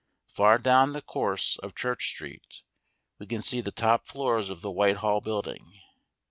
Far down the course of Church Street we can see the top floors of the Whitehall Building.